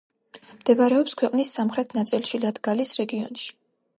მდებარეობს ქვეყნის სამხრეთ ნაწილში, ლატგალიის რეგიონში.